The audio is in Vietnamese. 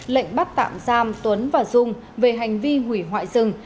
lệnh bắt tạm giam tuấn và dung về hành vi hủy hoại rừng